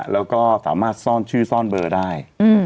แล้วก็สามารถซ่อนชื่อซ่อนเบอร์ได้